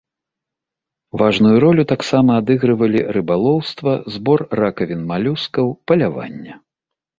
Важную ролю таксама адыгрывалі рыбалоўства, збор ракавін малюскаў, паляванне.